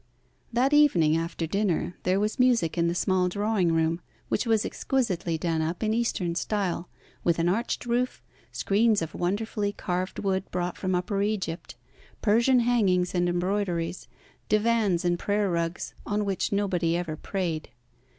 That evening, after dinner, there was music in the small drawing room, which was exquisitely done up in Eastern style, with an arched roof, screens of wonderfully carved wood brought from Upper Egypt, Persian hangings and embroideries, divans and prayer rugs, on which nobody ever prayed.